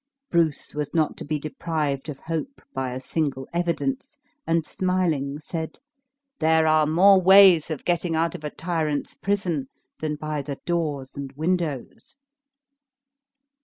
Bruce was not to be deprived of hope by a single evidence, and smiling, said: "There are more ways of getting out of a tyrant's prison, than by the doors and windows!"